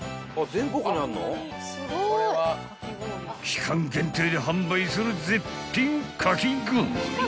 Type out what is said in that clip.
［期間限定で販売する絶品かき氷］